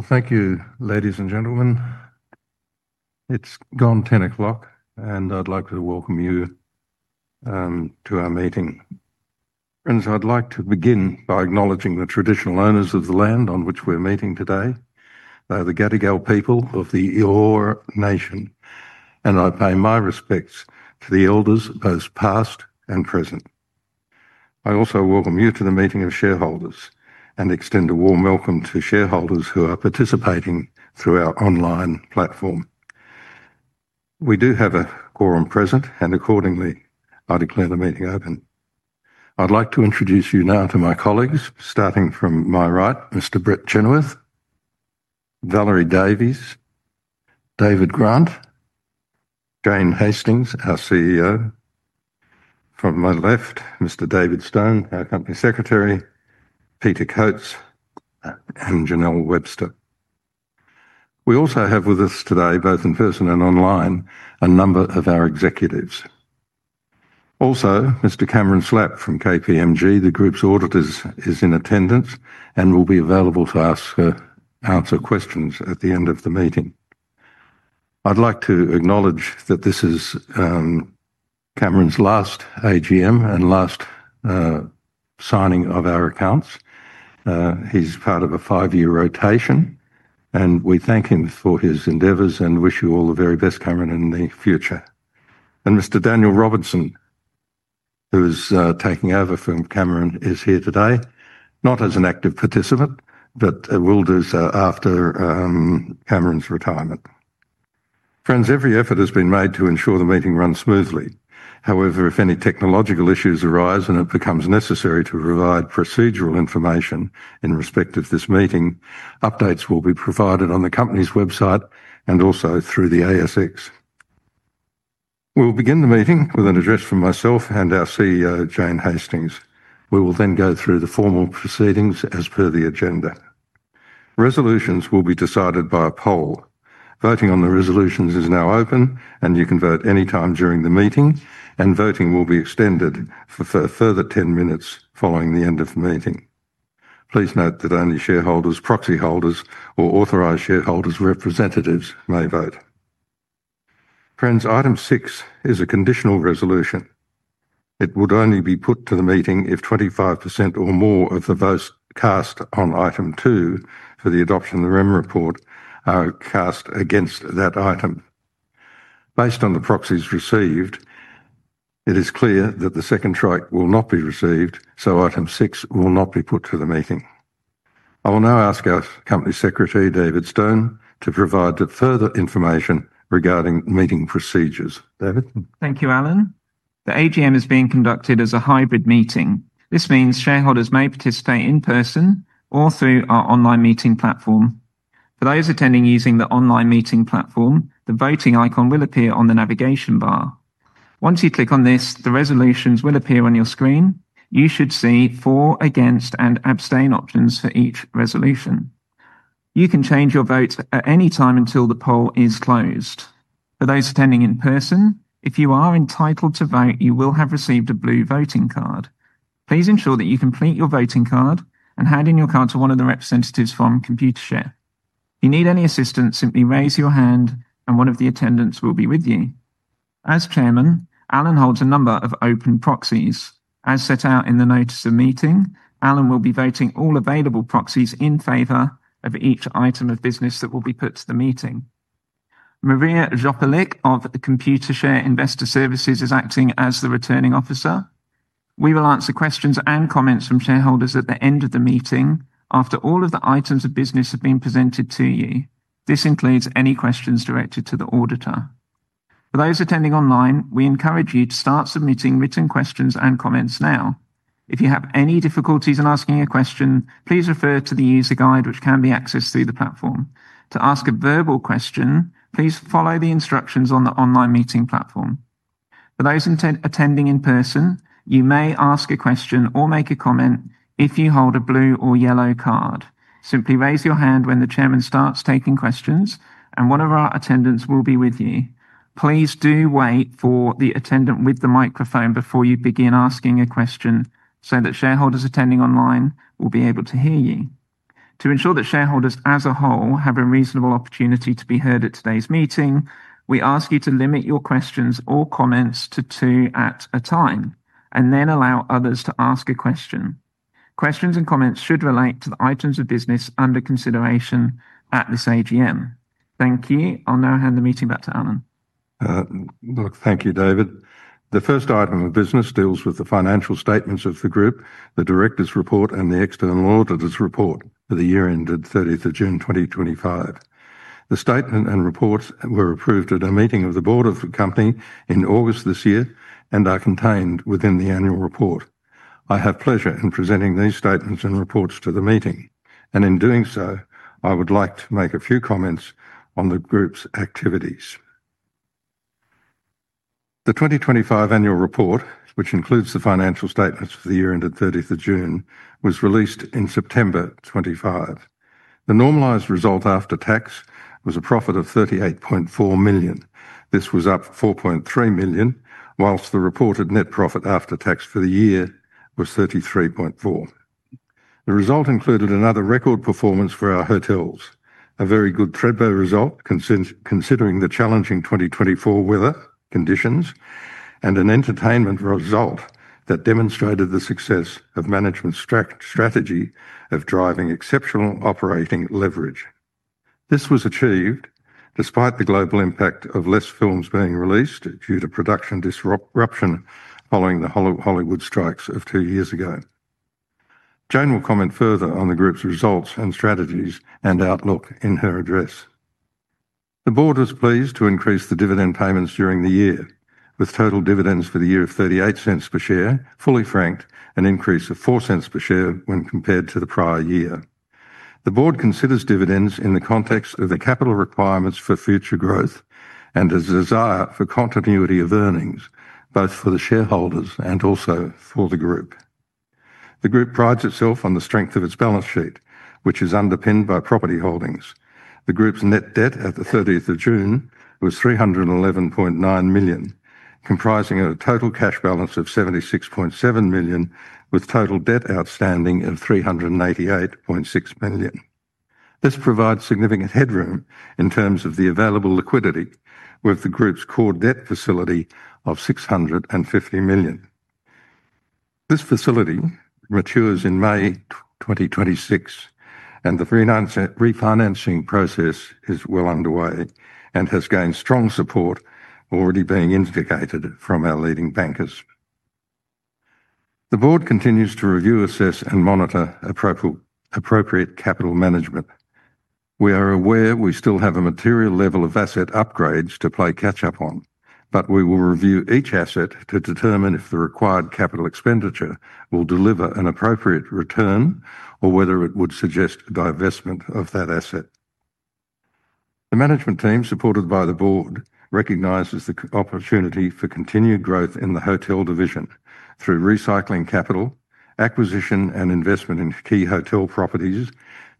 Thank you, ladies and gentlemen. It's gone 10:00 A.M., and I'd like to welcome you to our meeting. Friends, I'd like to begin by acknowledging the traditional owners of the land on which we're meeting today, the Gadigal people of the Eora Nation. I pay my respects to the elders both past and present. I also welcome you to the meeting of shareholders and extend a warm welcome to shareholders who are participating through our online platform. We do have a quorum present, and accordingly, I declare the meeting open. I'd like to introduce you now to my colleagues, starting from my right, Mr. Brett Chenoweth, Valerie Davies, David Grant, Jane Hastings, our CEO. From my left, Mr. David Stone, our Company Secretary, Peter Coates, and Jenelle Webster. We also have with us today, both in person and online, a number of our executives. Also, Mr. Cameron Slapp from KPMG, the group's auditors, is in attendance and will be available to answer questions at the end of the meeting. I'd like to acknowledge that this is Cameron's last AGM and last signing of our accounts. He's part of a five-year rotation, and we thank him for his endeavors and wish you all the very best, Cameron, in the future. Mr. Daniel Robinson, who is taking over from Cameron, is here today, not as an active participant, but will do so after Cameron's retirement. Friends, every effort has been made to ensure the meeting runs smoothly. However, if any technological issues arise and it becomes necessary to provide procedural information in respect of this meeting, updates will be provided on the company's website and also through the ASX. We'll begin the meeting with an address from myself and our CEO, Jane Hastings. We will then go through the formal proceedings as per the agenda. Resolutions will be decided by a poll. Voting on the resolutions is now open, and you can vote anytime during the meeting, and voting will be extended for a further 10 minutes following the end of the meeting. Please note that only shareholders, proxy holders, or authorized shareholders' representatives may vote. Friends, item six is a conditional resolution. It would only be put to the meeting if 25% or more of the votes cast on item two for the adoption of the REM report are cast against that item. Based on the proxies received, it is clear that the second strike will not be received, so item six will not be put to the meeting. I will now ask our Company Secretary, David Stone, to provide further information regarding meeting procedures. David? Thank you, Alan. The AGM is being conducted as a hybrid meeting. This means shareholders may participate in person or through our online meeting platform. For those attending using the online meeting platform, the voting icon will appear on the navigation bar. Once you click on this, the resolutions will appear on your screen. You should see for, against, and abstain options for each resolution. You can change your votes at any time until the poll is closed. For those attending in person, if you are entitled to vote, you will have received a blue voting card. Please ensure that you complete your voting card and hand in your card to one of the representatives from Computershare. If you need any assistance, simply raise your hand and one of the attendants will be with you. As Chairman, Alan holds a number of open proxies. As set out in the notice of meeting, Alan will be voting all available proxies in favor of each item of business that will be put to the meeting. Maria Dzopalic of Computershare Investor Services is acting as the Returning Officer. We will answer questions and comments from shareholders at the end of the meeting after all of the items of business have been presented to you. This includes any questions directed to the auditor. For those attending online, we encourage you to start submitting written questions and comments now. If you have any difficulties in asking a question, please refer to the user guide, which can be accessed through the platform. To ask a verbal question, please follow the instructions on the online meeting platform. For those attending in person, you may ask a question or make a comment if you hold a blue or yellow card. Simply raise your hand when the Chairman starts taking questions, and one of our attendants will be with you. Please do wait for the attendant with the microphone before you begin asking a question so that shareholders attending online will be able to hear you. To ensure that shareholders as a whole have a reasonable opportunity to be heard at today's meeting, we ask you to limit your questions or comments to two at a time and then allow others to ask a question. Questions and comments should relate to the items of business under consideration at this AGM. Thank you. I'll now hand the meeting back to Alan. Look, thank you, David. The first item of business deals with the financial statements of the group, the directors' report, and the external auditor's report for the year ended 30th of June, 2025. The statement and reports were approved at a meeting of the board of the company in August this year and are contained within the annual report. I have pleasure in presenting these statements and reports to the meeting. In doing so, I would like to make a few comments on the group's activities. The 2025 annual report, which includes the financial statements for the year ended 30th of June, was released in September 2025. The normalized result after tax was a profit of 38.4 million. This was up 4.3 million, whilst the reported net profit after tax for the year was 33.4 million. The result included another record performance for our hotels, a very good Thredbo result considering the challenging 2024 weather conditions, and an entertainment result that demonstrated the success of management's strategy of driving exceptional operating leverage. This was achieved despite the global impact of fewer films being released due to production disruption following the Hollywood strikes of two years ago. Jane will comment further on the group's results and strategies and outlook in her address. The board was pleased to increase the dividend payments during the year, with total dividends for the year of 0.38 per share, fully franked, an increase of 0.04 per share when compared to the prior year. The board considers dividends in the context of the capital requirements for future growth and a desire for continuity of earnings, both for the shareholders and also for the group. The group prides itself on the strength of its balance sheet, which is underpinned by property holdings. The group's net debt at the 30th of June was 311.9 million, comprising a total cash balance of 76.7 million, with total debt outstanding of 388.6 million. This provides significant headroom in terms of the available liquidity with the group's core debt facility of 650 million. This facility matures in May 2026, and the refinancing process is well underway and has gained strong support, already being instigated from our leading bankers. The board continues to review, assess, and monitor appropriate capital management. We are aware we still have a material level of asset upgrades to play catch-up on, but we will review each asset to determine if the required capital expenditure will deliver an appropriate return or whether it would suggest divestment of that asset. The management team, supported by the board, recognizes the opportunity for continued growth in the hotel division through recycling capital, acquisition, and investment in key hotel properties,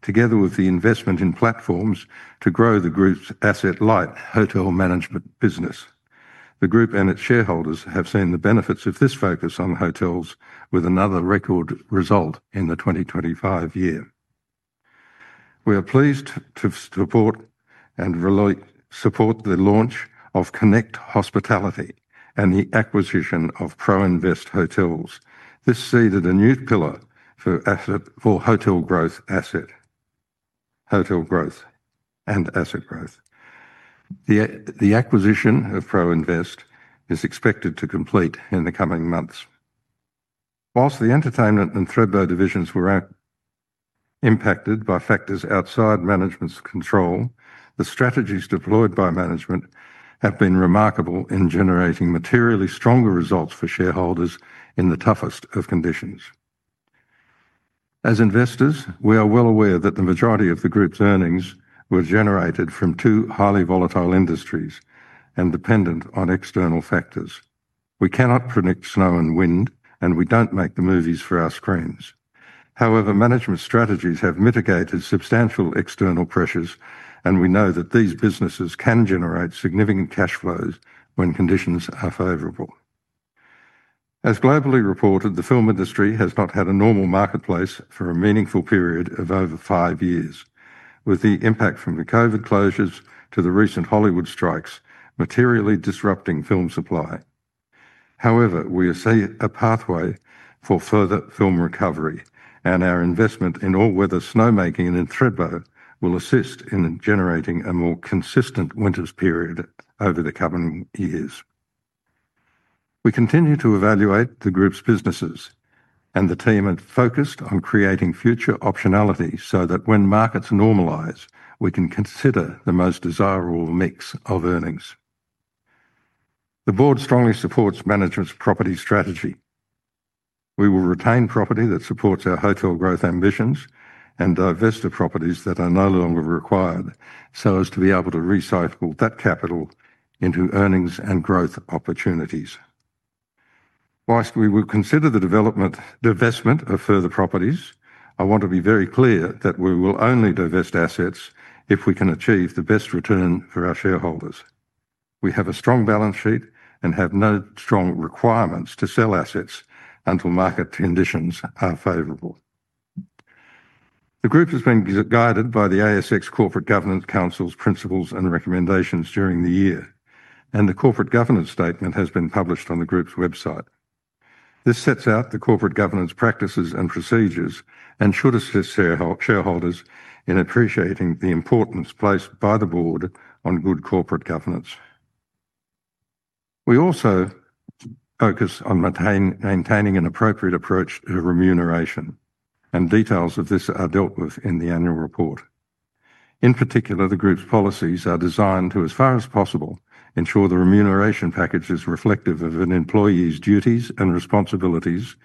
together with the investment in platforms to grow the group's asset light hotel management business. The group and its shareholders have seen the benefits of this focus on hotels with another record result in the 2025 year. We are pleased to support the launch of Connect Hospitality and the acquisition of Pro-invest Hotels. This seeded a new pillar for hotel growth, asset growth, and asset growth. The acquisition of Pro-invest is expected to complete in the coming months. Whilst the entertainment and Thredbo divisions were impacted by factors outside management's control, the strategies deployed by management have been remarkable in generating materially stronger results for shareholders in the toughest of conditions. As investors, we are well aware that the majority of the group's earnings were generated from two highly volatile industries and dependent on external factors. We cannot predict snow and wind, and we don't make the movies for our screens. However, management strategies have mitigated substantial external pressures, and we know that these businesses can generate significant cash flows when conditions are favorable. As globally reported, the film industry has not had a normal marketplace for a meaningful period of over five years, with the impact from the COVID closures to the recent Hollywood strikes materially disrupting film supply. However, we see a pathway for further film recovery, and our investment in all-weather snowmaking and in Thredbo will assist in generating a more consistent winters period over the coming years. We continue to evaluate the group's businesses, and the team have focused on creating future optionality so that when markets normalize, we can consider the most desirable mix of earnings. The board strongly supports management's property strategy. We will retain property that supports our hotel growth ambitions and divest of properties that are no longer required, so as to be able to recycle that capital into earnings and growth opportunities. Whilst we will consider the development and divestment of further properties, I want to be very clear that we will only divest assets if we can achieve the best return for our shareholders. We have a strong balance sheet and have no strong requirements to sell assets until market conditions are favorable. The group has been guided by the ASX Corporate Governance Council's principles and recommendations during the year, and the Corporate Governance Statement has been published on the group's website. This sets out the corporate governance practices and procedures and should assist shareholders in appreciating the importance placed by the board on good corporate governance. We also focus on maintaining an appropriate approach to remuneration, and details of this are dealt with in the annual report. In particular, the group's policies are designed to, as far as possible, ensure the remuneration package is reflective of an employee's duties and responsibilities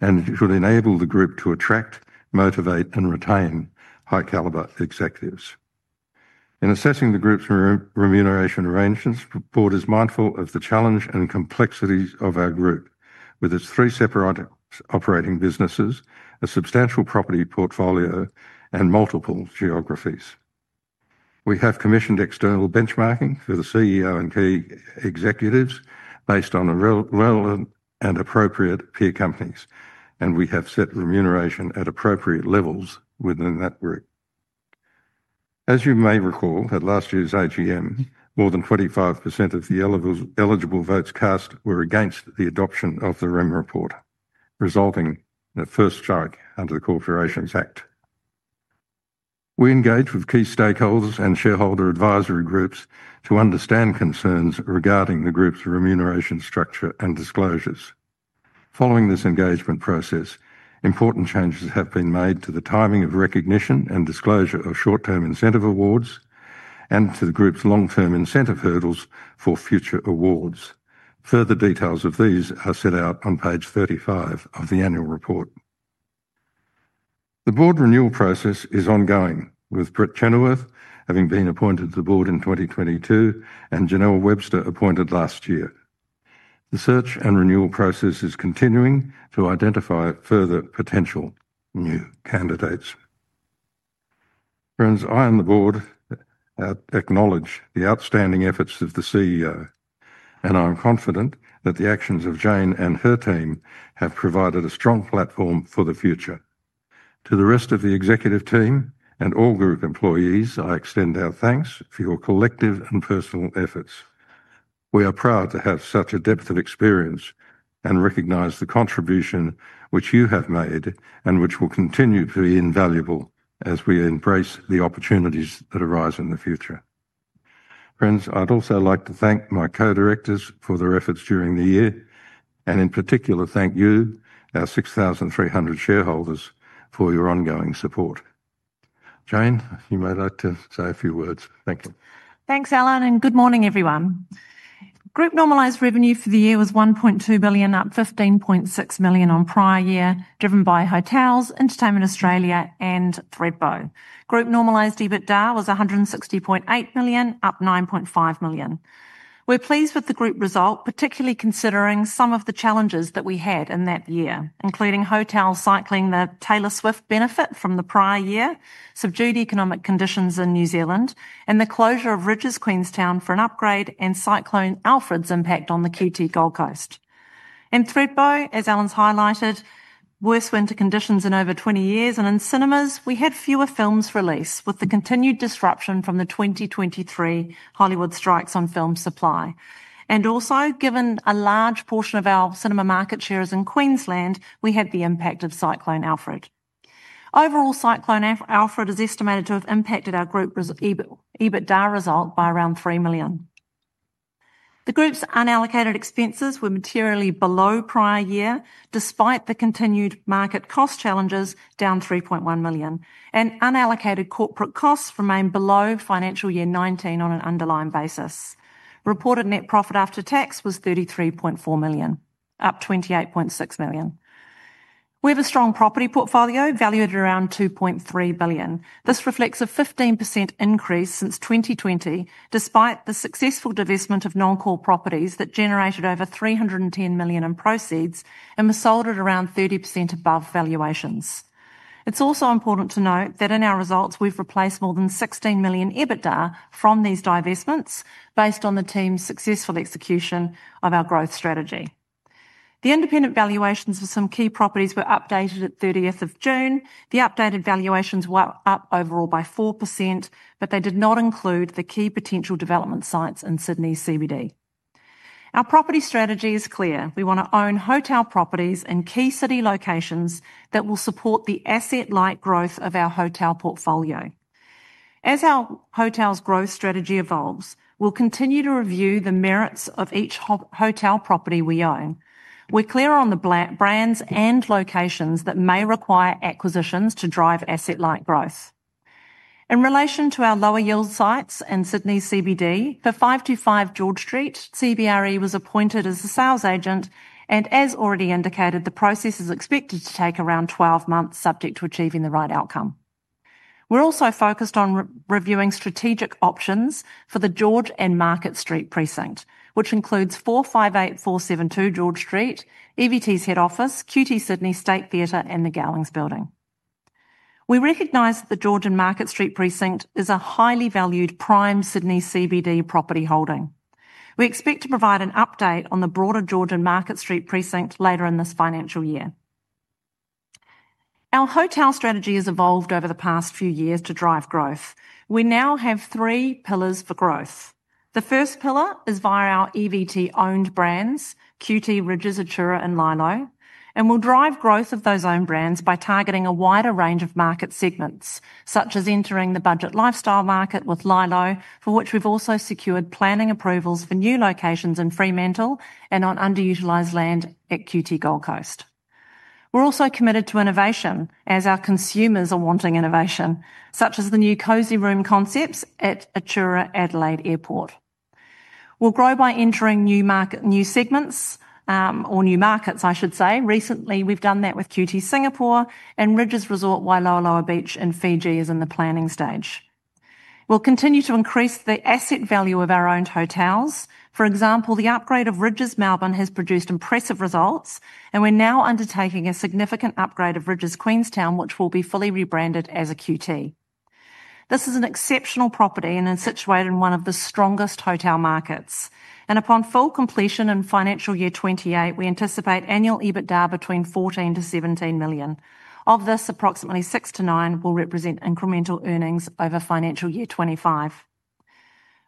and should enable the group to attract, motivate, and retain high-caliber executives. In assessing the group's remuneration arrangements, the board is mindful of the challenge and complexities of our group, with its three separate operating businesses, a substantial property portfolio, and multiple geographies. We have commissioned external benchmarking for the CEO and key executives based on the relevant and appropriate peer companies, and we have set remuneration at appropriate levels within that group. As you may recall, at last year's AGM, more than 25% of the eligible votes cast were against the adoption of the REM report, resulting in a first strike under the Corporations Act. We engage with key stakeholders and shareholder advisory groups to understand concerns regarding the group's remuneration structure and disclosures. Following this engagement process, important changes have been made to the timing of recognition and disclosure of short-term incentive awards and to the group's long-term incentive hurdles for future awards. Further details of these are set out on page 35 of the annual report. The board renewal process is ongoing, with Brett Chenoweth having been appointed to the board in 2022 and Jenelle Webster appointed last year. The search and renewal process is continuing to identify further potential new candidates. Friends, I on the board acknowledge the outstanding efforts of the CEO, and I'm confident that the actions of Jane and her team have provided a strong platform for the future. To the rest of the executive team and all group employees, I extend our thanks for your collective and personal efforts. We are proud to have such a depth of experience and recognize the contribution which you have made and which will continue to be invaluable as we embrace the opportunities that arise in the future. Friends, I'd also like to thank my co-directors for their efforts during the year, and in particular thank you, our 6,300 shareholders, for your ongoing support. Jane, you may like to say a few words. Thank you. Thanks, Alan, and good morning, everyone. Group normalized revenue for the year was 1.2 billion, up 15.6 million on prior year, driven by hotels, entertainment Australia, and Thredbo. Group normalized EBITDA was 160.8 million, up 9.5 million. We're pleased with the group result, particularly considering some of the challenges that we had in that year, including hotels cycling the Taylor Swift benefit from the prior year, subdued economic conditions in New Zealand, and the closure of Rydges, Queenstown, for an upgrade and Cyclone Alfred's impact on the QT Gold Coast. In Thredbo, as Alan's highlighted, worst winter conditions in over 20 years, and in cinemas, we had fewer films release with the continued disruption from the 2023 Hollywood strikes on film supply. Also, given a large portion of our cinema market share is in Queensland, we had the impact of Cyclone Alfred. Overall, Cyclone Alfred is estimated to have impacted our group EBITDA result by around 3 million. The group's unallocated expenses were materially below prior year, despite the continued market cost challenges, down 3.1 million, and unallocated corporate costs remain below financial year 2019 on an underlying basis. Reported net profit after tax was 33.4 million, up 28.6 million. We have a strong property portfolio valued at around 2.3 billion. This reflects a 15% increase since 2020, despite the successful divestment of non-core properties that generated over 310 million in proceeds and was sold at around 30% above valuations. It's also important to note that in our results, we've replaced more than 16 million EBITDA from these divestments based on the team's successful execution of our growth strategy. The independent valuations for some key properties were updated at 30th of June. The updated valuations were up overall by 4%, but they did not include the key potential development sites in Sydney CBD. Our property strategy is clear. We want to own hotel properties in key city locations that will support the asset-light growth of our hotel portfolio. As our hotels' growth strategy evolves, we'll continue to review the merits of each hotel property we own. We're clearer on the brands and locations that may require acquisitions to drive asset-light growth. In relation to our lower yield sites in Sydney CBD, for 525 George Street, CBRE was appointed as a sales agent, and as already indicated, the process is expected to take around 12 months subject to achieving the right outcome. We're also focused on reviewing strategic options for the George and Market Street precinct, which includes 458-472 George Street, EVT's head office, QT Sydney, State Theatre, and the Gowings building. We recognize that the George and Market Street precinct is a highly valued prime Sydney CBD property holding. We expect to provide an update on the broader George and Market Street precinct later in this financial year. Our hotel strategy has evolved over the past few years to drive growth. We now have three pillars for growth. The first pillar is via our EVT-owned brands, QT, Rydges, Atura, and Lylo, and we'll drive growth of those owned brands by targeting a wider range of market segments, such as entering the budget lifestyle market with Lylo, for which we've also secured planning approvals for new locations in Fremantle and on underutilized land at QT Gold Coast. We're also committed to innovation as our consumers are wanting innovation, such as the new cozy room concepts at Atura Adelaide Airport. We'll grow by entering new segments or new markets, I should say. Recently, we've done that with QT Singapore, and Rydges Resort Wailoaloa Beach in Fiji is in the planning stage. We'll continue to increase the asset value of our owned hotels. For example, the upgrade of Rydges Melbourne has produced impressive results, and we're now undertaking a significant upgrade of Rydges Queenstown, which will be fully rebranded as a QT. This is an exceptional property and is situated in one of the strongest hotel markets. Upon full completion in financial year 2028, we anticipate annual EBITDA between 14 million-17 million. Of this, approximately 6 million-9 million will represent incremental earnings over financial year 2025.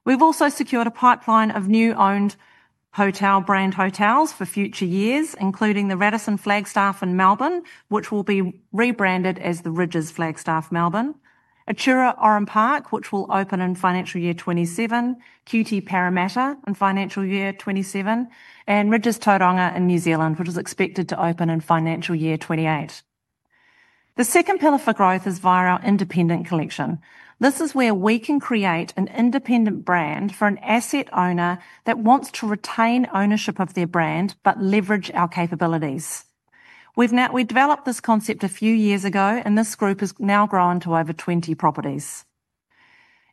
We've also secured a pipeline of new owned hotel brand hotels for future years, including the Radisson Flagstaff in Melbourne, which will be rebranded as the Rydges Flagstaff Melbourne, Atura Oran Park, which will open in financial year 2027, QT Parramatta in financial year 2027, and Rydges Tauranga in New Zealand, which is expected to open in financial year 2028. The second pillar for growth is via our independent collection. This is where we can create an independent brand for an asset owner that wants to retain ownership of their brand but leverage our capabilities. We developed this concept a few years ago, and this group has now grown to over 20 properties.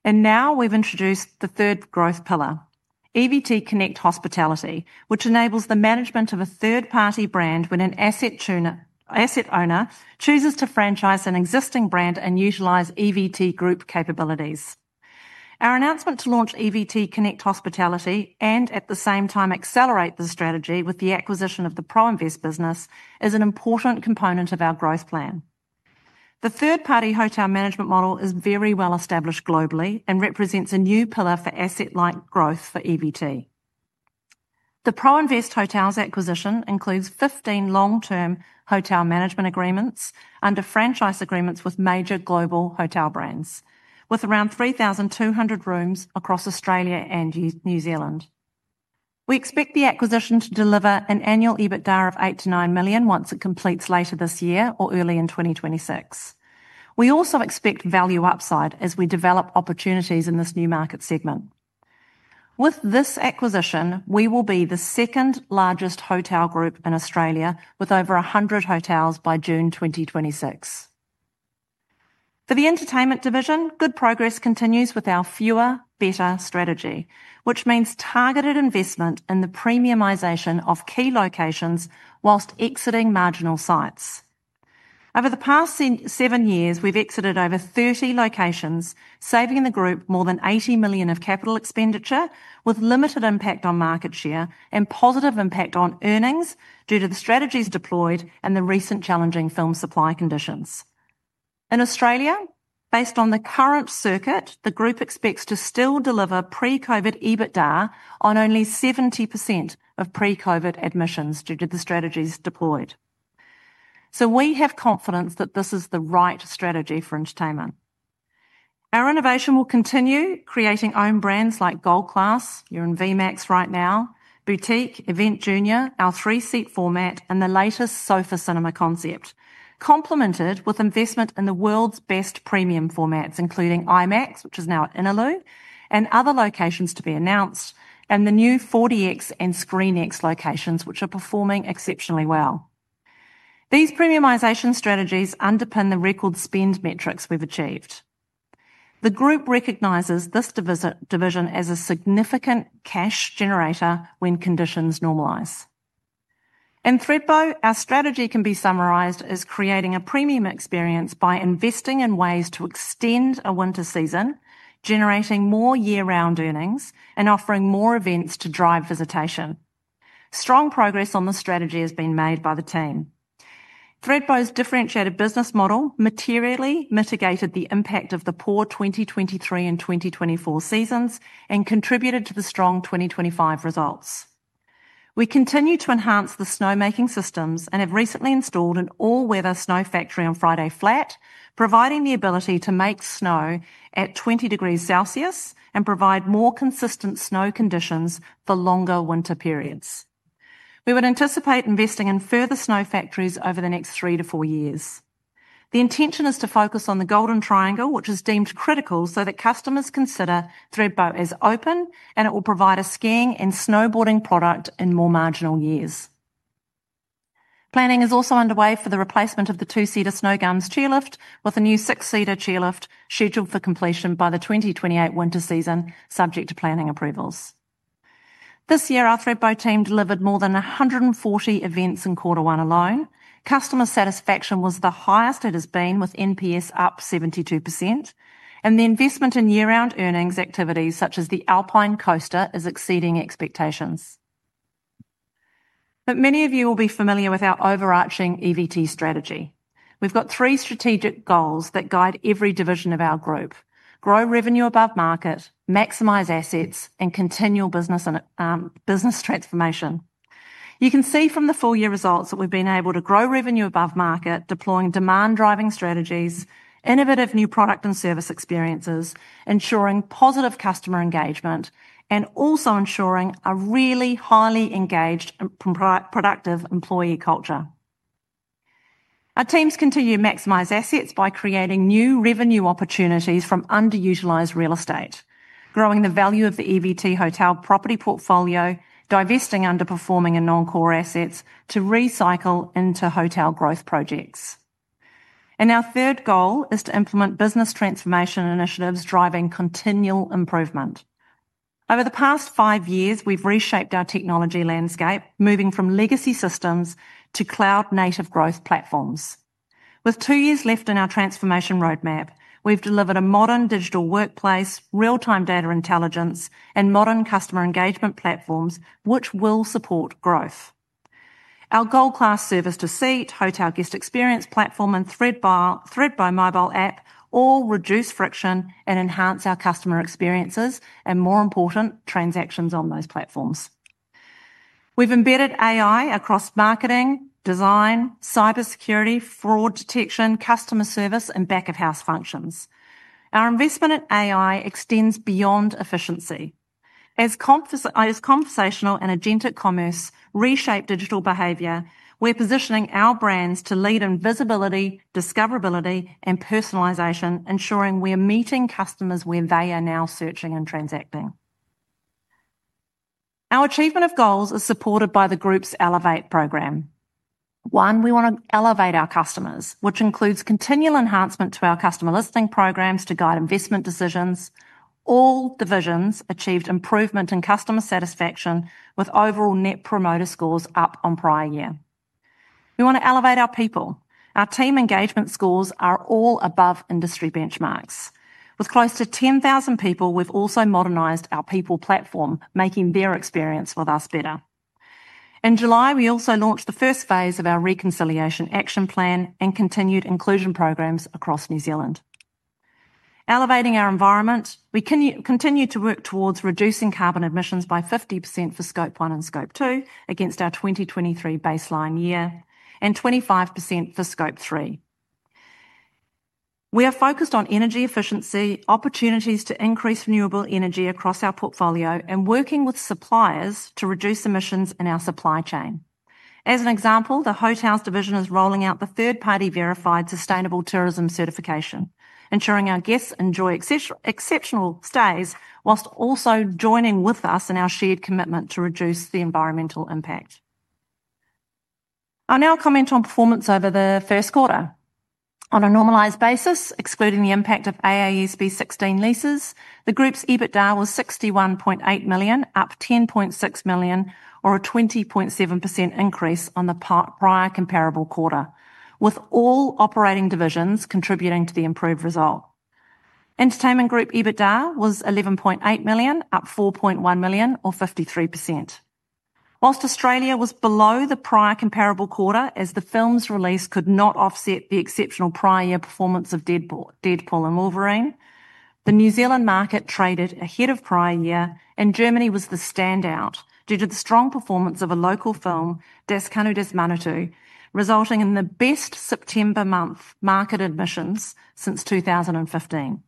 We have introduced the third growth pillar, EVT Connect Hospitality, which enables the management of a third-party brand when an asset owner chooses to franchise an existing brand and utilize EVT group capabilities. Our announcement to launch EVT Connect Hospitality and at the same time accelerate the strategy with the acquisition of the Pro-invest business is an important component of our growth plan. The third-party hotel management model is very well established globally and represents a new pillar for asset-light growth for EVT. The Pro-invest Hotels acquisition includes 15 long-term hotel management agreements under franchise agreements with major global hotel brands, with around 3,200 rooms across Australia and New Zealand. We expect the acquisition to deliver an annual EBITDA of 8 million-9 million once it completes later this year or early in 2026. We also expect value upside as we develop opportunities in this new market segment. With this acquisition, we will be the second largest hotel group in Australia with over 100 hotels by June 2026. For the entertainment division, good progress continues with our Fewer Better strategy, which means targeted investment in the premiumization of key locations while exiting marginal sites. Over the past seven years, we've exited over 30 locations, saving the group more than 80 million of capital expenditure with limited impact on market share and positive impact on earnings due to the strategies deployed and the recent challenging film supply conditions. In Australia, based on the current circuit, the group expects to still deliver pre-COVID EBITDA on only 70% of pre-COVID admissions due to the strategies deployed. We have confidence that this is the right strategy for entertainment. Our innovation will continue creating owned brands like Gold Class, you're in V-Max right now, Boutique, Event Junior, our three-seat format, and the latest sofa cinema concept, complemented with investment in the world's best premium formats, including IMAX, which is now at Innaloo, and other locations to be announced, and the new 4DX and ScreenX locations, which are performing exceptionally well. These premiumization strategies underpin the record spend metrics we've achieved. The group recognizes this division as a significant cash generator when conditions normalize. In Thredbo, our strategy can be summarized as creating a premium experience by investing in ways to extend a winter season, generating more year-round earnings, and offering more events to drive visitation. Strong progress on the strategy has been made by the team. Thredbo's differentiated business model materially mitigated the impact of the poor 2023 and 2024 seasons and contributed to the strong 2025 results. We continue to enhance the snowmaking systems and have recently installed an all-weather snow factory on Friday Flat, providing the ability to make snow at 20 degrees Celsius and provide more consistent snow conditions for longer winter periods. We would anticipate investing in further snow factories over the next three to four years. The intention is to focus on the golden triangle, which is deemed critical so that customers consider Thredbo as open, and it will provide a skiing and snowboarding product in more marginal years. Planning is also underway for the replacement of the two-seater Snowgums chairlift, with a new six-seater chairlift scheduled for completion by the 2028 winter season, subject to planning approvals. This year, our Thredbo team delivered more than 140 events in quarter one alone. Customer satisfaction was the highest it has been, with NPS up 72%, and the investment in year-round earnings activities, such as the Alpine Coaster, is exceeding expectations. Many of you will be familiar with our overarching EVT strategy. We've got three strategic goals that guide every division of our group: grow revenue above market, maximize assets, and continual business transformation. You can see from the full-year results that we've been able to grow revenue above market, deploying demand-driving strategies, innovative new product and service experiences, ensuring positive customer engagement, and also ensuring a really highly engaged and productive employee culture. Our teams continue to maximize assets by creating new revenue opportunities from underutilized real estate, growing the value of the EVT hotel property portfolio, divesting underperforming and non-core assets to recycle into hotel growth projects. Our third goal is to implement business transformation initiatives driving continual improvement. Over the past five years, we've reshaped our technology landscape, moving from legacy systems to cloud-native growth platforms. With two years left in our transformation roadmap, we've delivered a modern digital workplace, real-time data intelligence, and modern customer engagement platforms, which will support growth. Our Gold Class service-to-seat, hotel guest experience platform, and Thredbo mobile app all reduce friction and enhance our customer experiences, and more important, transactions on those platforms. We've embedded AI across marketing, design, cybersecurity, fraud detection, customer service, and back-of-house functions. Our investment in AI extends beyond efficiency. As conversational and agentic commerce reshape digital behavior, we're positioning our brands to lead in visibility, discoverability, and personalization, ensuring we are meeting customers where they are now searching and transacting. Our achievement of goals is supported by the group's Elevate program. One, we want to elevate our customers, which includes continual enhancement to our customer listening programs to guide investment decisions. All divisions achieved improvement in customer satisfaction, with overall net promoter scores up on prior year. We want to elevate our people. Our team engagement scores are all above industry benchmarks. With close to 10,000 people, we've also modernized our people platform, making their experience with us better. In July, we also launched the first phase of our reconciliation action plan and continued inclusion programs across New Zealand. Elevating our environment, we continue to work towards reducing carbon emissions by 50% for Scope 1 and Scope 2 against our 2023 baseline year, and 25% for Scope 3. We are focused on energy efficiency, opportunities to increase renewable energy across our portfolio, and working with suppliers to reduce emissions in our supply chain. As an example, the hotels division is rolling out the third-party verified sustainable tourism certification, ensuring our guests enjoy exceptional stays whilst also joining with us in our shared commitment to reduce the environmental impact. I'll now comment on performance over the first quarter. On a normalized basis, excluding the impact of AASB 16 leases, the group's EBITDA was 61.8 million, up 10.6 million, or a 20.7% increase on the prior comparable quarter, with all operating divisions contributing to the improved result. Entertainment group EBITDA was 11.8 million, up 4.1 million, or 53%. Whilst Australia was below the prior comparable quarter as the film's release could not offset the exceptional prior year performance of Deadpool & Wolverine, the New Zealand market traded ahead of prior year, and Germany was the standout due to the strong performance of a local film, Der Schuh des Manitu, resulting in the best September month market admissions since 2015.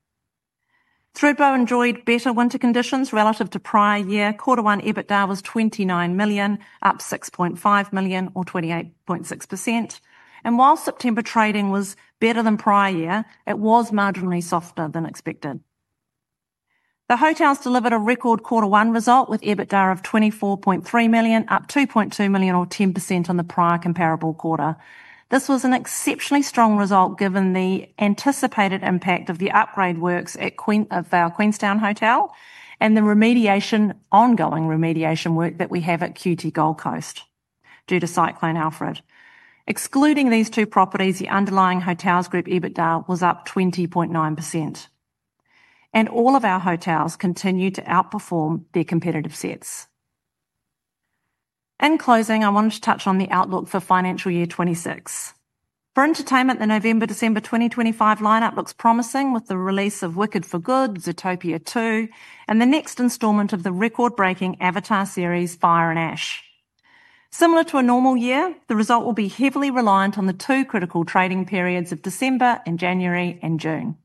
Thredbo enjoyed better winter conditions relative to prior year. Quarter one EBITDA was 29 million, up 6.5 million, or 28.6%. While September trading was better than prior year, it was marginally softer than expected. The hotels delivered a record quarter one result with EBITDA of 24.3 million, up 2.2 million, or 10% on the prior comparable quarter. This was an exceptionally strong result given the anticipated impact of the upgrade works at Rydges Queenstown Hotel and the ongoing remediation work that we have at QT Gold Coast due to Cyclone Alfred. Excluding these two properties, the underlying hotels group EBITDA was up 20.9%. All of our hotels continue to outperform their competitive sets. In closing, I wanted to touch on the outlook for financial year 2026. For entertainment, the November-December 2025 lineup looks promising with the release of Wicked: For Good, Zootopia 2, and the next installment of the record-breaking Avatar series, Fire and Ash. Similar to a normal year, the result will be heavily reliant on the two critical trading periods of December and January and June.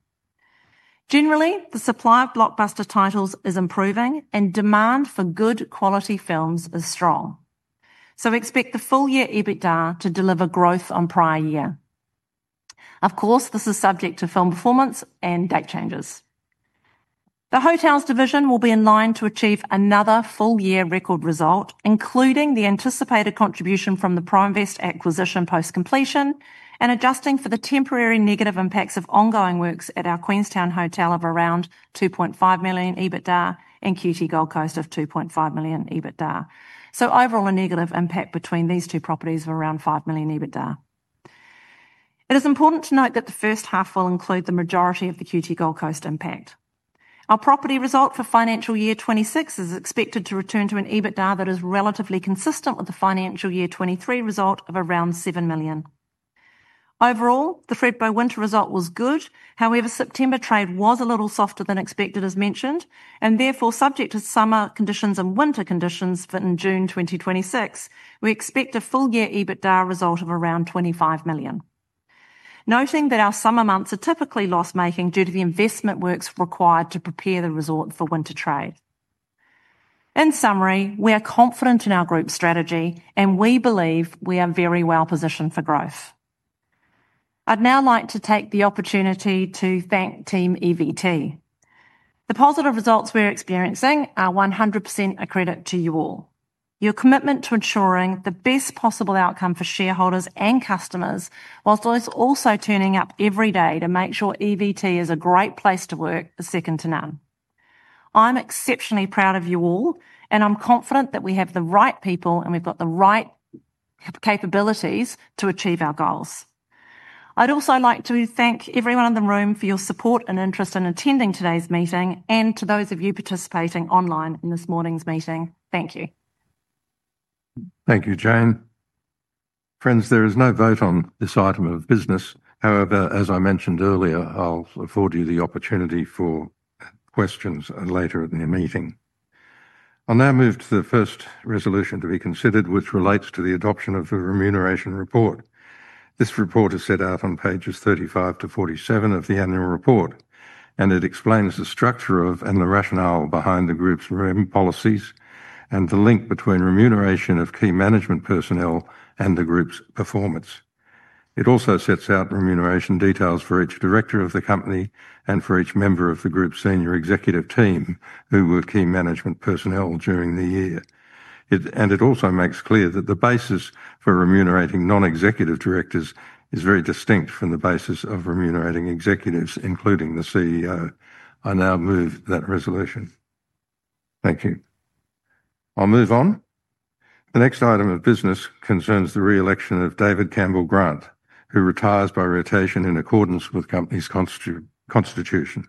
Generally, the supply of blockbuster titles is improving, and demand for good quality films is strong. Expect the full year EBITDA to deliver growth on prior year. Of course, this is subject to film performance and date changes. The hotels division will be in line to achieve another full year record result, including the anticipated contribution from the Pro-invest acquisition post-completion and adjusting for the temporary negative impacts of ongoing works at our Queenstown Hotel of around 2.5 million EBITDA and QT Gold Coast of 2.5 million EBITDA. Overall, a negative impact between these two properties of around 5 million EBITDA. It is important to note that the first half will include the majority of the QT Gold Coast impact. Our property result for financial year 2026 is expected to return to an EBITDA that is relatively consistent with the financial year 2023 result of around 7 million. Overall, the Thredbo winter result was good. However, September trade was a little softer than expected, as mentioned, and therefore subject to summer conditions and winter conditions for June 2026. We expect a full year EBITDA result of around 25 million, noting that our summer months are typically loss-making due to the investment works required to prepare the resort for winter trade. In summary, we are confident in our group strategy, and we believe we are very well positioned for growth. I'd now like to take the opportunity to thank team EVT. The positive results we're experiencing are 100% a credit to you all. Your commitment to ensuring the best possible outcome for shareholders and customers, whilst also turning up every day to make sure EVT is a great place to work, is second to none. I'm exceptionally proud of you all, and I'm confident that we have the right people and we've got the right capabilities to achieve our goals. I'd also like to thank everyone in the room for your support and interest in attending today's meeting, and to those of you participating online in this morning's meeting. Thank you. Thank you, Jane. Friends, there is no vote on this item of business. However, as I mentioned earlier, I'll afford you the opportunity for questions later in the meeting. I'll now move to the first resolution to be considered, which relates to the adoption of the remuneration report. This report is set out on pages 35-47 of the annual report, and it explains the structure and the rationale behind the group's policies and the link between remuneration of key management personnel and the group's performance. It also sets out remuneration details for each director of the company and for each member of the group's senior executive team who were key management personnel during the year. It also makes clear that the basis for remunerating non-executive directors is very distinct from the basis of remunerating executives, including the CEO. I now move that resolution. Thank you. I'll move on. The next item of business concerns the re-election of David Campbell Grant, who retires by rotation in accordance with the company's constitution.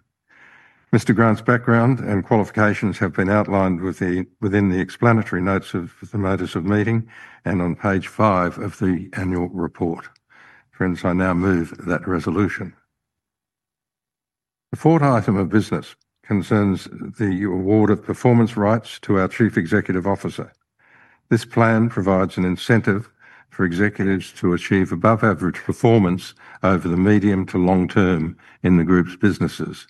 Mr. Grant's background and qualifications have been outlined within the explanatory notes of the notice of the meeting and on page five of the annual report. Friends, I now move that resolution. The fourth item of business concerns the award of performance rights to our Chief Executive Officer. This plan provides an incentive for executives to achieve above-average performance over the medium to long term in the group's businesses.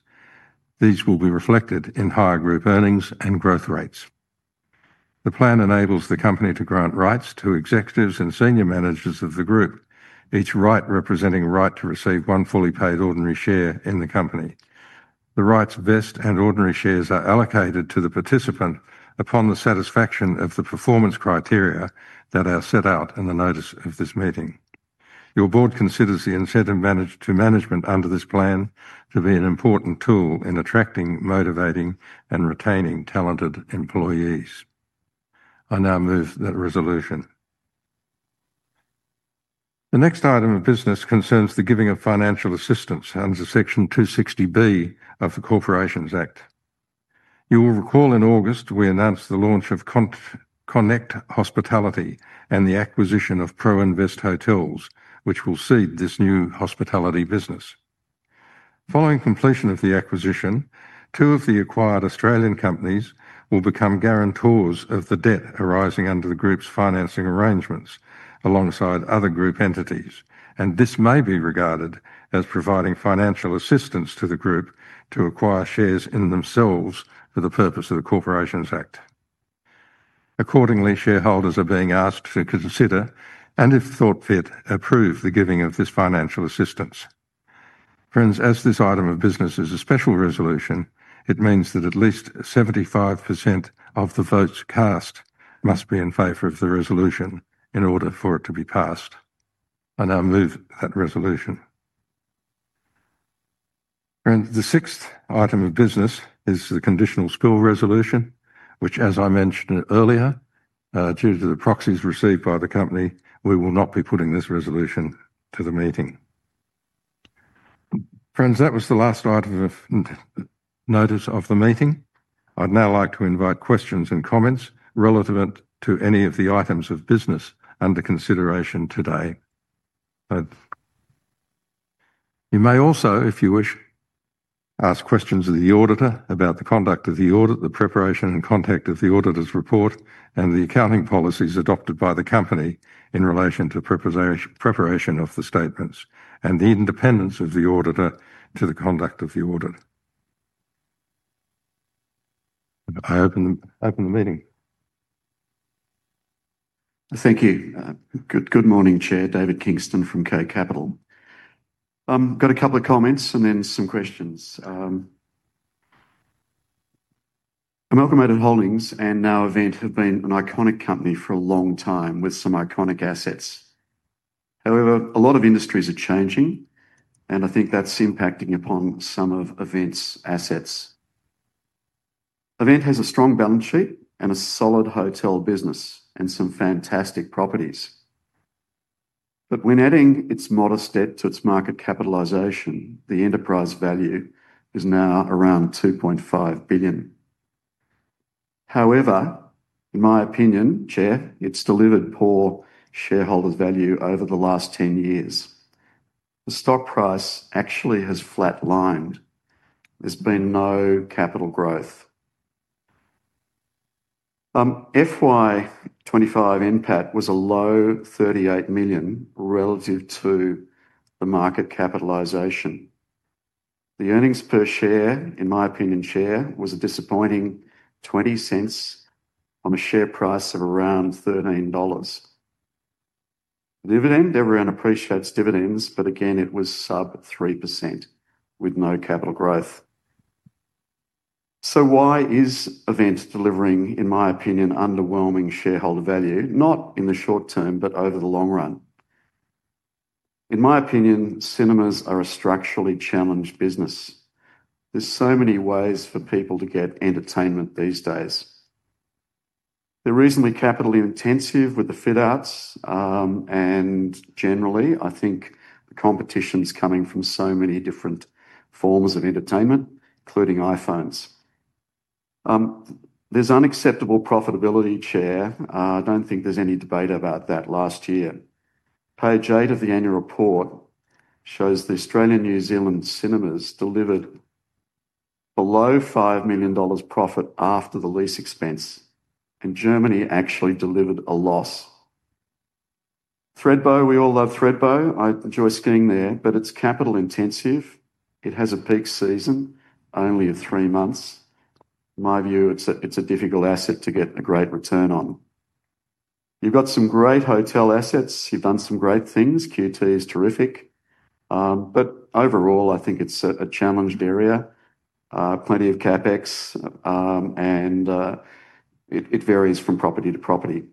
These will be reflected in higher group earnings and growth rates. The plan enables the company to grant rights to executives and senior managers of the group, each right representing a right to receive one fully paid ordinary share in the company. The rights vest and ordinary shares are allocated to the participant upon the satisfaction of the performance criteria that are set out in the notice of this meeting. Your board considers the incentive to management under this plan to be an important tool in attracting, motivating, and retaining talented employees. I now move that resolution. The next item of business concerns the giving of financial assistance under Section 260B of the Corporations Act. You will recall in August we announced the launch of Connect Hospitality and the acquisition of Pro-invest Hotels, which will seed this new hospitality business. Following completion of the acquisition, two of the acquired Australian companies will become guarantors of the debt arising under the group's financing arrangements alongside other group entities, and this may be regarded as providing financial assistance to the group to acquire shares in themselves for the purpose of the Corporations Act. Accordingly, shareholders are being asked to consider, and if thought fit, approve the giving of this financial assistance. Friends, as this item of business is a special resolution, it means that at least 75% of the votes cast must be in favor of the resolution in order for it to be passed. I now move that resolution. Friends, the sixth item of business is the conditional school resolution, which, as I mentioned earlier, due to the proxies received by the company, we will not be putting this resolution to the meeting. Friends, that was the last item of notice of the meeting. I'd now like to invite questions and comments relevant to any of the items of business under consideration today. You may also, if you wish, ask questions of the auditor about the conduct of the audit, the preparation and content of the auditor's report, and the accounting policies adopted by the company in relation to preparation of the statements, and the independence of the auditor to the conduct of the auditor. I open the meeting. Thank you. Good morning, Chair. David Kingston from K Capital. I've got a couple of comments and then some questions. Amalgamated Holdings and now EVT have been an iconic company for a long time with some iconic assets. However, a lot of industries are changing, and I think that's impacting upon some of EVT's assets. EVT has a strong balance sheet and a solid hotel business and some fantastic properties. When adding its modest debt to its market capitalization, the enterprise value is now around 2.5 billion. However, in my opinion, Chair, it's delivered poor shareholder value over the last 10 years. The stock price actually has flatlined. There's been no capital growth. FY 2025 NPAT was a low 38 million relative to the market capitalization. The earnings per share, in my opinion, Chair, was a disappointing 0.20 on a share price of around 13 dollars. Dividend, everyone appreciates dividends, but again, it was sub 3% with no capital growth. Why is EVT delivering, in my opinion, underwhelming shareholder value, not in the short term, but over the long run? In my opinion, cinemas are a structurally challenged business. There are so many ways for people to get entertainment these days. They're reasonably capital intensive with the fit-outs, and generally, I think the competition's coming from so many different forms of entertainment, including iPhones. There's unacceptable profitability, Chair. I don't think there's any debate about that last year. Page eight of the annual report shows the Australian and New Zealand cinemas delivered below 5 million dollars profit after the lease expense, and Germany actually delivered a loss. Thredbo, we all love Thredbo. I enjoy skiing there, but it's capital intensive. It has a peak season only of three months. In my view, it's a difficult asset to get a great return on. You've got some great hotel assets. You've done some great things. QT is terrific. Overall, I think it's a challenged area. Plenty of CapEx, and it varies from property to property.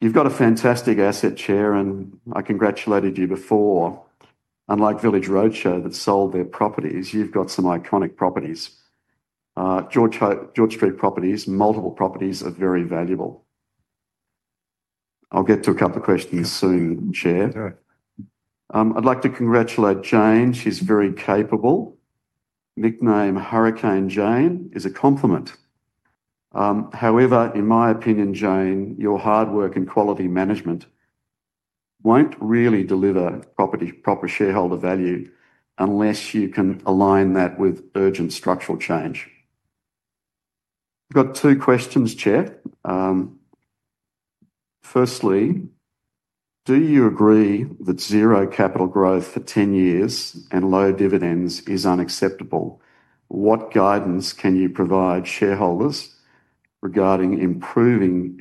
You've got a fantastic asset, Chair, and I congratulated you before. Unlike Village Roadshow that sold their properties, you've got some iconic properties. George Street properties, multiple properties are very valuable. I'll get to a couple of questions soon, Chair. I'd like to congratulate Jane. She's very capable. Nickname Hurricane Jane is a compliment. However, in my opinion, Jane, your hard work and quality management won't really deliver proper shareholder value unless you can align that with urgent structural change. I've got two questions, Chair. Firstly, do you agree that zero capital growth for 10 years and low dividends is unacceptable? What guidance can you provide shareholders regarding improving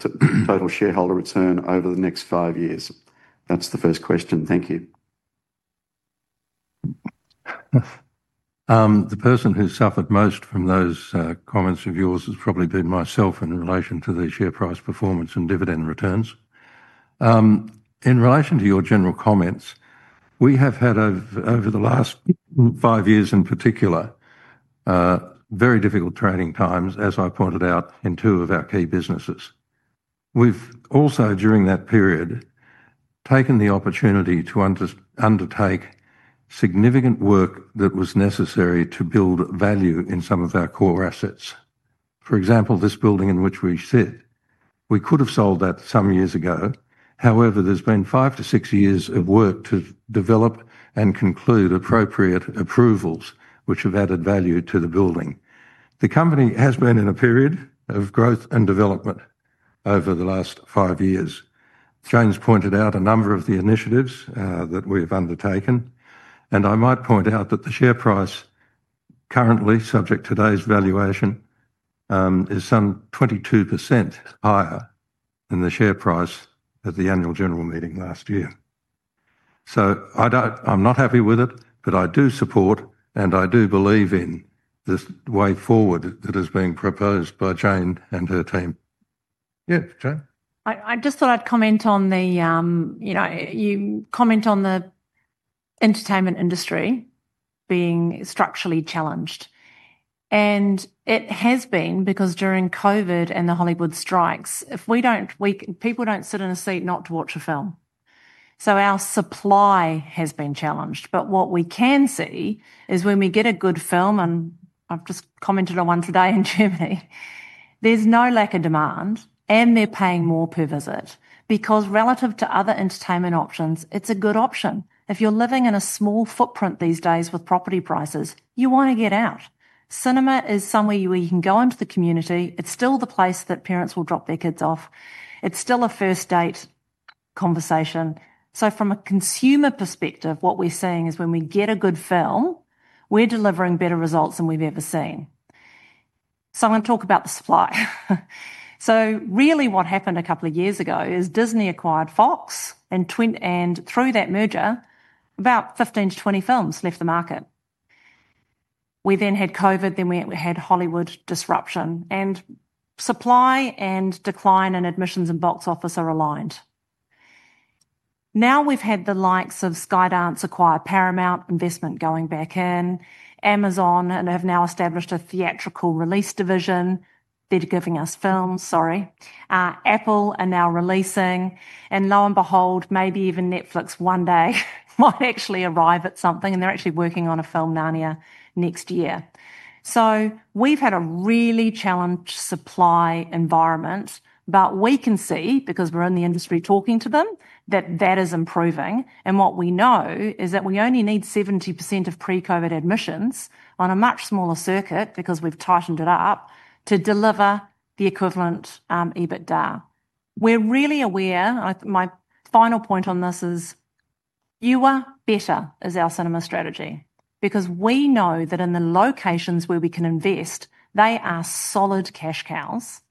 total shareholder return over the next five years? That's the first question. Thank you. The person who suffered most from those comments of yours has probably been myself in relation to the share price performance and dividend returns. In relation to your general comments, we have had, over the last five years in particular, very difficult trading times, as I pointed out, in two of our key businesses. We've also, during that period, taken the opportunity to undertake significant work that was necessary to build value in some of our core assets. For example, this building in which we sit, we could have sold that some years ago. However, there's been five to six years of work to develop and conclude appropriate approvals, which have added value to the building. The company has been in a period of growth and development over the last five years. Jane's pointed out a number of the initiatives that we have undertaken, and I might point out that the share price currently, subject to today's valuation, is some 22% higher than the share price at the annual general meeting last year. I'm not happy with it, but I do support and I do believe in the way forward that is being proposed by Jane and her team. Yeah, Jane? I just thought I'd comment on the, you know, you comment on the entertainment industry being structurally challenged. It has been because during COVID and the Hollywood strikes, if we don't, people don't sit in a seat not to watch a film. Our supply has been challenged. What we can see is when we get a good film, and I've just commented on one today in Germany, there's no lack of demand, and they're paying more per visit because relative to other entertainment options, it's a good option. If you're living in a small footprint these days with property prices, you want to get out. Cinema is somewhere where you can go into the community. It's still the place that parents will drop their kids off. It's still a first date conversation. From a consumer perspective, what we're seeing is when we get a good film, we're delivering better results than we've ever seen. I'm going to talk about the supply. Really what happened a couple of years ago is Disney acquired Fox, and through that merger, about 15-20 films left the market. We then had COVID, then we had Hollywood disruption, and supply and decline in admissions and box office are aligned. Now we've had the likes of Skydance acquire Paramount, investment going back in, Amazon have now established a theatrical release division. They're giving us films, sorry. Apple are now releasing, and lo and behold, maybe even Netflix one day might actually arrive at something, and they're actually working on a film Narnia next year. We've had a really challenged supply environment, but we can see, because we're in the industry talking to them, that that is improving. What we know is that we only need 70% of pre-COVID admissions on a much smaller circuit because we've tightened it up to deliver the equivalent EBITDA. We're really aware, and I think my final point on this is fewer, better is our cinema strategy because we know that in the locations where we can invest, they are solid cash cows,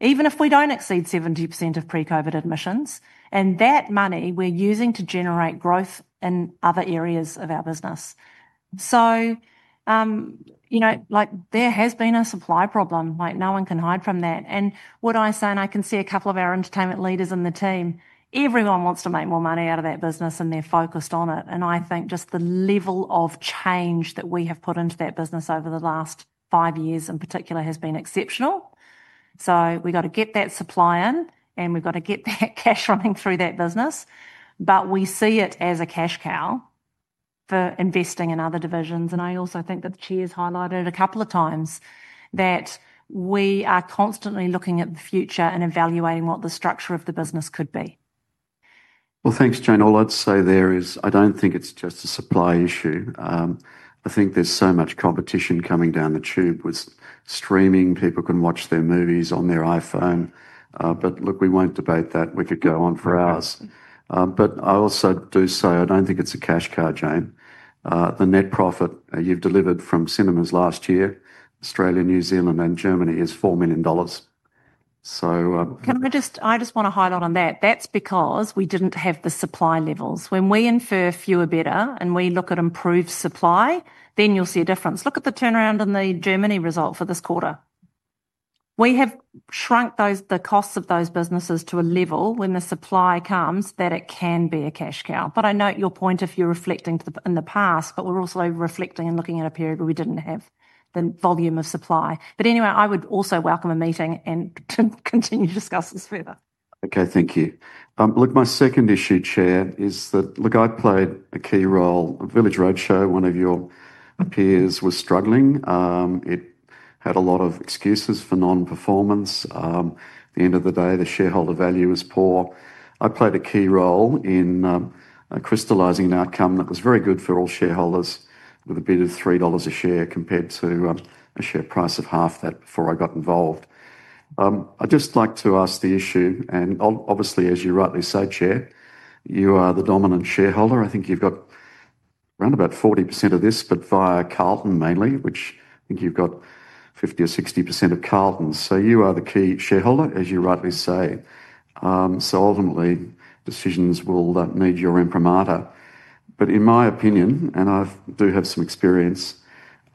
even if we don't exceed 70% of pre-COVID admissions. That money we're using to generate growth in other areas of our business. There has been a supply problem, like no one can hide from that. What I say, and I can see a couple of our entertainment leaders in the team, everyone wants to make more money out of that business and they're focused on it. I think just the level of change that we have put into that business over the last five years in particular has been exceptional. We have to get that supply in and we have to get that cash running through that business. We see it as a cash cow for investing in other divisions. I also think that the Chair has highlighted a couple of times that we are constantly looking at the future and evaluating what the structure of the business could be. Thanks, Jane. All I'd say there is I don't think it's just a supply issue. I think there's so much competition coming down the tube with streaming. People can watch their movies on their iPhone. We won't debate that. We could go on for hours. I also do say I don't think it's a cash cow, Jane. The net profit you've delivered from cinemas last year, Australia, New Zealand, and Germany is 4 million dollars. I just want to highlight on that. That's because we didn't have the supply levels. When we infer fewer, better, and we look at improved supply, you'll see a difference. Look at the turnaround in the Germany result for this quarter. We have shrunk the costs of those businesses to a level when the supply comes that it can be a cash cow. I note your point of you reflecting in the past, we're also reflecting and looking at a period where we didn't have the volume of supply. I would also welcome a meeting and to continue to discuss this further. Okay, thank you. My second issue, Chair, is that I played a key role. Village Roadshow, one of your peers, was struggling. It had a lot of excuses for non-performance. At the end of the day, the shareholder value was poor. I played a key role in crystallizing an outcome that was very good for all shareholders with a bid of 3 dollars a share compared to a share price of half that before I got involved. I'd just like to ask the issue, and obviously, as you rightly say, Chair, you are the dominant shareholder. I think you've got around 40% of this, but via Carlton mainly, which I think you've got 50% or 60% of Carlton. You are the key shareholder, as you rightly say. Ultimately, decisions will need your imprimatur. In my opinion, and I do have some experience,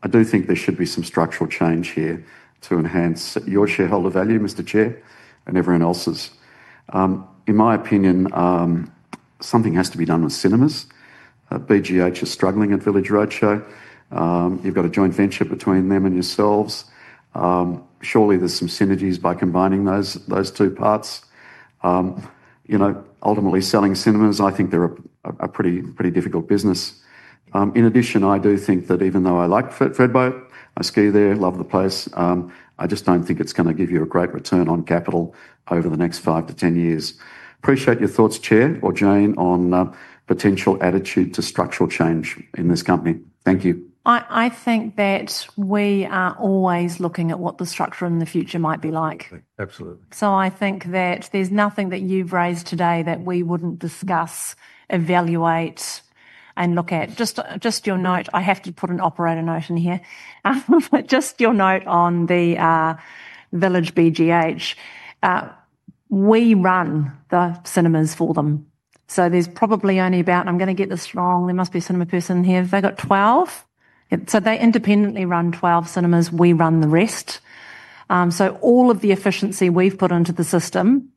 I do think there should be some structural change here to enhance your shareholder value, Mr. Chair, and everyone else's. In my opinion, something has to be done with cinemas. BGH is struggling at Village Roadshow. You've got a joint venture between them and yourselves. Surely there's some synergies by combining those two parts. Ultimately selling cinemas, I think they're a pretty difficult business. In addition, I do think that even though I like Thredbo, I ski there, love the place, I just don't think it's going to give you a great return on capital over the next 5-10 years. Appreciate your thoughts, Chair, or Jane, on potential attitude to structural change in this company. Thank you. I think that we are always looking at what the structure in the future might be like. Absolutely. I think that there's nothing that you've raised today that we wouldn't discuss, evaluate, and look at. Just your note, I have to put an operator note in here. Just your note on the Village BGH. We run the cinemas for them. There's probably only about, and I'm going to get this wrong, there must be a cinema person here, they've got 12. They independently run 12 cinemas, we run the rest. All of the efficiency we've put into the system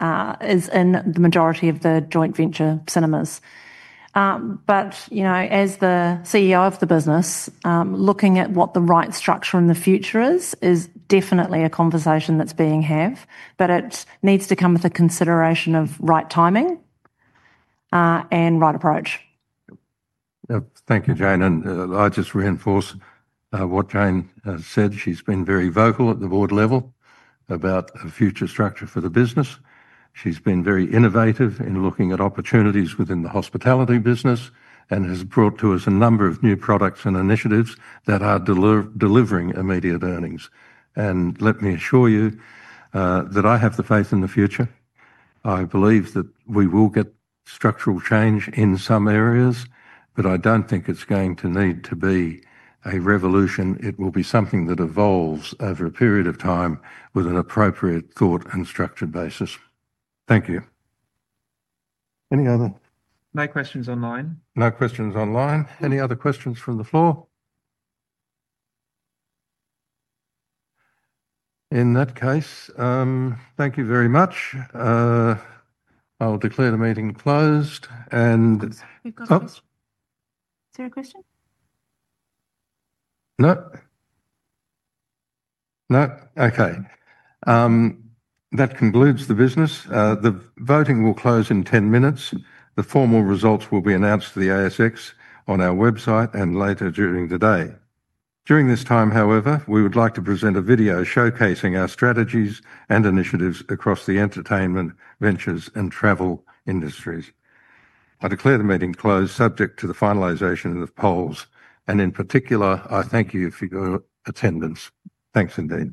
is in the majority of the joint venture cinemas. As the CEO of the business, looking at what the right structure in the future is, is definitely a conversation that's being had, but it needs to come with a consideration of right timing and right approach. Thank you, Jane. I'll just reinforce what Jane said. She's been very vocal at the board level about a future structure for the business. She's been very innovative in looking at opportunities within the hospitality business and has brought to us a number of new products and initiatives that are delivering immediate earnings. Let me assure you that I have the faith in the future. I believe that we will get structural change in some areas, but I don't think it's going to need to be a revolution. It will be something that evolves over a period of time with an appropriate thought and structured basis. Thank you. Any other? No questions online. No questions online. Any other questions from the floor? In that case, thank you very much. I'll declare the meeting closed. Is there a question? No. No. Okay. That concludes the business. The voting will close in 10 minutes. The formal results will be announced to the ASX on our website and later during the day. During this time, however, we would like to present a video showcasing our strategies and initiatives across the entertainment, ventures, and travel industries. I declare the meeting closed, subject to the finalization of the polls, and in particular, I thank you for your attendance. Thanks, indeed.